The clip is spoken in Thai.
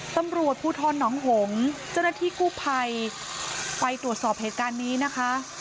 ตำรวจผู้ทอนหนองหงจนที่คู่ภัยไปตรวจสอบเหตุการณ์นี้นะคะ